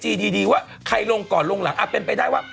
อีบ้ะไม่ได้ลงแล้วเออลงแล้ว